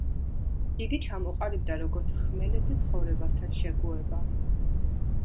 იგი ჩამოყალიბდა როგორც ხმელეთზე ცხოვრებასთან შეგუება.